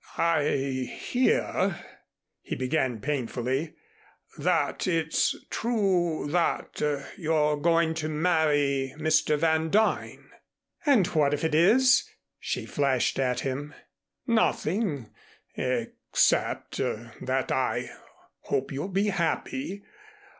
"I hear " he began painfully, "that it's true that you're going to marry Mr. Van Duyn." "And what if it is?" she flashed at him. "Nothing except that I hope you'll be happy.